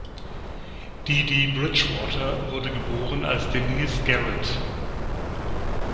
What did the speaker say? Dee Dee Bridgewater wurde geboren als Denise Garrett.